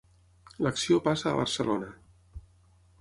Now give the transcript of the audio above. L'acció passa a Barcelona.